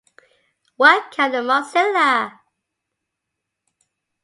Welcome at Mozilla!